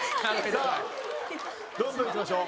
さあどんどんいきましょう。